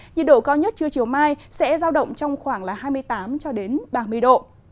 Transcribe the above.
nhiệt độ cao nhất trưa chiều mai sẽ giao động trong khoảng hai mươi tám ba mươi độ